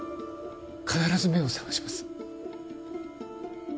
必ず目を覚まします